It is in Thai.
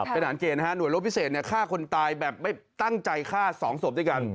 เป็นฐานเกณฑ์นะฮะหน่วยรบพิเศษฆ่าคนตายแบบไม่ตั้งใจฆ่า๒ศพด้วยกัน